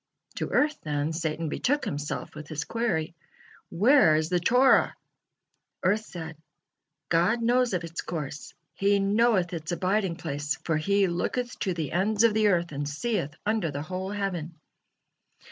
To earth, then, Satan betook himself with his query: "Where is the Torah?" Earth said: "God knows of its course, He knoweth its abiding place, for 'He looketh to the ends of the earth, and seeth under the whole heaven.'"